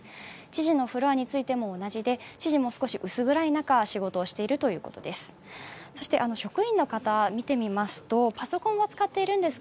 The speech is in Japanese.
知事のフロアにいても同じで、知事も少し薄暗い中、仕事をしているということです。